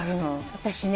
私ね